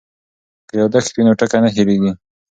که یادښت وي نو ټکی نه هېریږي.